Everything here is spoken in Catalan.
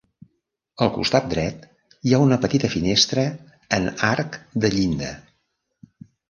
Al costat dret, hi ha una petita finestra en arc de llinda.